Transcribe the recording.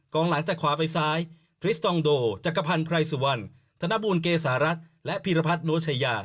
หลังจากขวาไปซ้ายทริสตองโดจักรพันธ์ไพรสุวรรณธนบูลเกษารัฐและพีรพัฒนวชายา